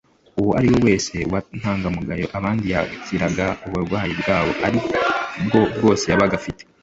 uwo ari we wese watangagamo abandi yakiraga uburwayi ubwo ari bwo bwose yabaga afite.